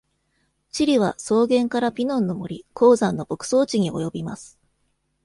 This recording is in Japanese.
地理は草原からピノンの森、高山の牧草地に及びます。